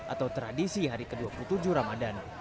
atau tradisi hari ke dua puluh tujuh ramadan